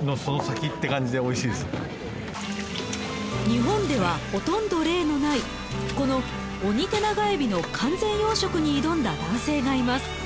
日本ではほとんど例のないこのオニテナガエビの完全養殖に挑んだ男性がいます。